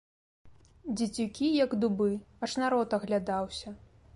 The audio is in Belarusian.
Дзецюкі, як дубы, аж народ аглядаўся.